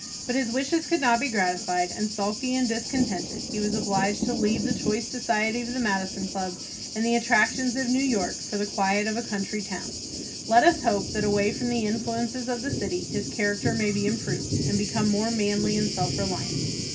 But his wishes could not be gratified, and, sulky and discontented, he was obliged to leave the choice society of the Madison Club, and the attractions of New York, for the quiet of a country town. Let us hope that, away from the influences of the city, his character may be improved, and become more manly and self reliant.